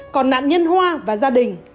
còn nạn nhân hoa và gia đình